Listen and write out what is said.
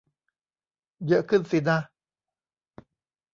เยอะขึ้นสินะ